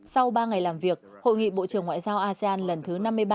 sau ba ngày làm việc hội nghị bộ trưởng ngoại giao asean lần thứ năm mươi ba